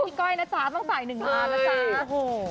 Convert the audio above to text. พี่ก้อยนะจ๊ะต้องจ่ายหนึ่งลานะจ๊ะ